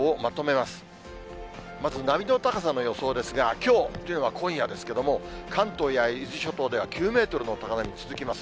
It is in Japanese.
まず波の高さの予想ですが、きょう、というのは今夜ですけれども、関東や伊豆諸島では９メートルの高波続きます。